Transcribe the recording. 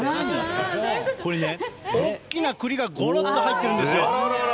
これね、大きなくりがごろっと入ってるんですよ。